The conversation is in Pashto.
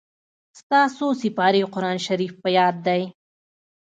ستا څو سېپارې قرآن شريف په ياد دئ.